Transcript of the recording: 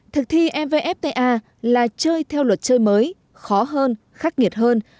thực thi evfta là chơi theo luật chơi mới khó hơn khắc nghiệt hơn